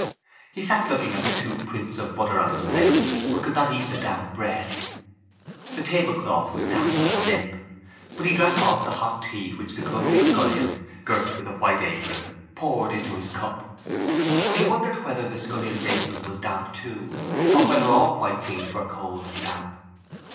He sat looking at the two prints of butter on his plate but could not eat the damp bread. The tablecloth was damp and limp. But he drank off the hot weak tea which the clumsy scullion, girt with a white apron, poured into his cup. He wondered whether the scullion's apron was damp too or whether all white things were cold and damp.